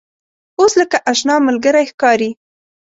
اوس لکه آشنا ملګری ښکاري.